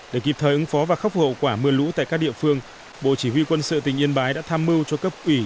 để kịp thời ứng phó và khắc phục hậu quả mưa lũ tại các địa phương bộ chỉ huy quân sự tỉnh yên bái đã tham mưu cho cấp ủy